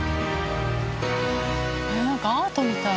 えなんかアートみたい。